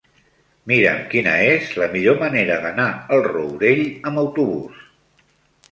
Mira'm quina és la millor manera d'anar al Rourell amb autobús.